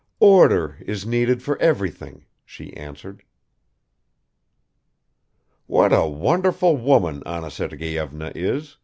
"Order is needed for everything," she answered. "What a wonderful woman Anna Sergeyevna is!"